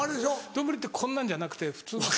丼ってこんなんじゃなくて普通の。